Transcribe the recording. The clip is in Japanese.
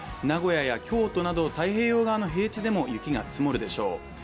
名古屋や京都など太平洋側の平地でも雪が積もるでしょう。